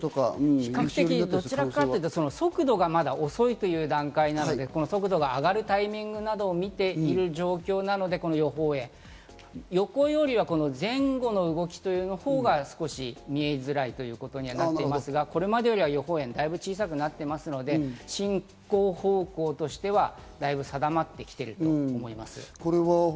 どちらかというと速度がまだ遅い段階なので、速度が上がるタイミングを見ている状況なので、この予報円の予報よりは前後の動きのほうが少し見えづらいということにはなりますが、これまでよりは予報円、だいぶ小さくなっていますので、進行方向としてはだいぶ定まってきていると思います。